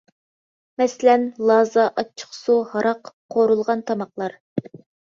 مەسىلەن: لازا، ئاچچىقسۇ، ھاراق، قورۇلغان تاماقلار.